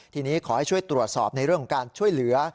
ทีนี้ขอให้ช่วยตรวจสอบในเรื่องของการช่วยเหลือ